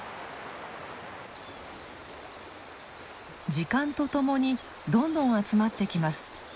時間とともにどんどん集まってきます。